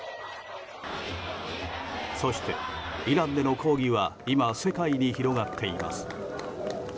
そして、イランでの抗議は今、世界に広がっています。